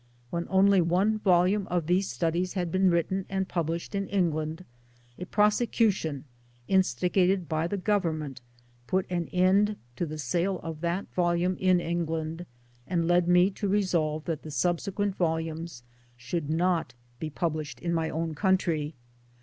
When only one volume of these Studies had been written and published in England, a prosecution instigated by the Government put an end to the sale of that volume in England, and' led me to resolve that the subsequent volumes should not be published in my own country.